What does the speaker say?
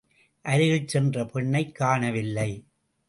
அருகில் சென்ற பெண்ணைக் காணவில்லை.